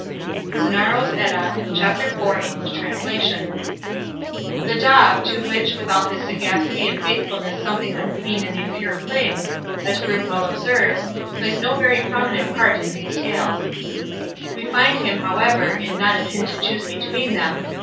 The dog, to which, with all his sagacity and faithfulness something unclean and impure clings, as Grimm well observes, plays no very prominent part in these Tales. We find him, however, in "Not a Pin to choose between them", No.